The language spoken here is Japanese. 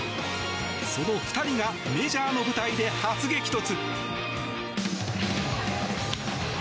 その２人がメジャーの舞台で初激突。